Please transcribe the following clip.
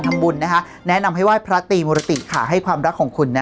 ทำบุญนะคะแนะนำให้ไหว้พระตีมุรติค่ะให้ความรักของคุณนะ